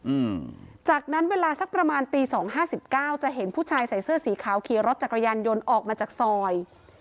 อืมจากนั้นเวลาสักประมาณตีสองห้าสิบเก้าจะเห็นผู้ชายใส่เสื้อสีขาวขี่รถจักรยานยนต์ออกมาจากซอย